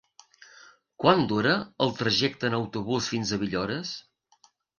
Quant dura el trajecte en autobús fins a Villores?